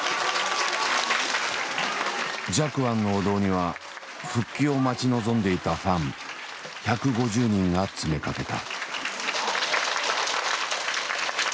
寂庵のお堂には復帰を待ち望んでいたファン１５０人が詰めかけた。